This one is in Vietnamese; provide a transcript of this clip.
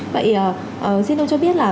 vậy xin ông cho biết là